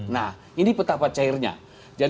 nah ini peta peta cairnya